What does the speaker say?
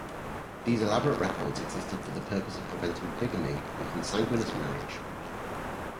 These elaborate records existed for the purpose of preventing bigamy and consanguineous marriage.